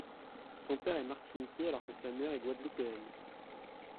Son père est martiniquais alors que sa mère est guadeloupéenne.